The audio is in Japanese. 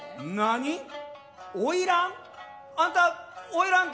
おいらん？